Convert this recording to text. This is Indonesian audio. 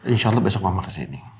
insya allah besok mama ke sini